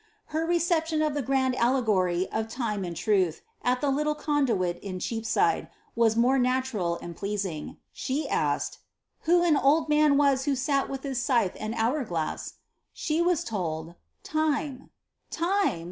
Her reception of the gmnd allegory of Time and Truth, at the Conduit in Cheapaide, waa mora natural and pleaaing. She nato4 ^ Who an old miui waa whp aat with hia acythe and bonr fkMar' was told ^Time."